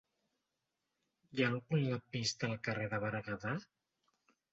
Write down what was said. Hi ha algun lampista al carrer de Berguedà?